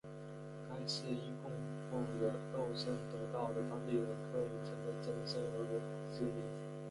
该寺因供奉肉身得道的当地人柯云尘的真身而知名。